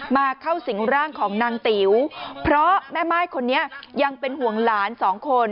มาเข้าสิงร่างของนางติ๋วเพราะแม่ม่ายคนนี้ยังเป็นห่วงหลานสองคน